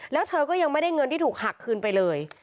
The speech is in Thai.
แล้วเธอก็ยังไม่ได้เงินที่ถูกหักคืนไปเลย